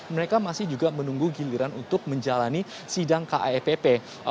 mereka masih juga menunggu giliran untuk menjalani sidang kepp